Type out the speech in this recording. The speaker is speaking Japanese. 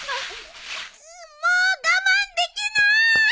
もう我慢できない！